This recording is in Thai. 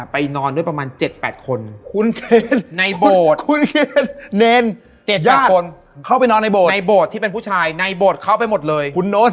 ไปนอนด้วยประมาณ๗๘คนในบวชในบวชที่เป็นผู้ชายในบวชเข้าไปหมดเลย